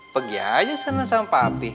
pegi aja sama papi